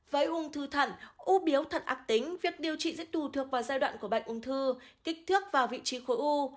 với ung thư thận u biếu thận ác tính việc điều trị sẽ tù thược vào giai đoạn của bệnh ung thư kích thước vào vị trí khối u